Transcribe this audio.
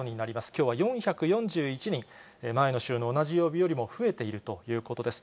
きょうは４４１人、前の週の同じ曜日よりも増えているということです。